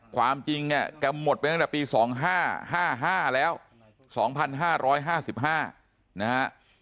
ความจริงเนี่ยแกหมดไปตั้งแต่ปี๒๕๕๕แล้ว๒๕๕๕นะฮะ